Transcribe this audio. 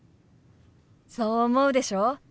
そう思うでしょ？